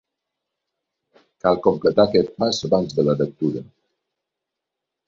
Cal completar aquest pas abans de la lectura.